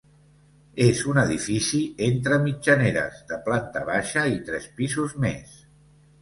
És un edifici entre mitjaneres de planta baixa i tres pisos més.